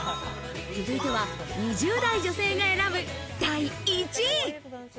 続いては２０代女性が選ぶ第１位。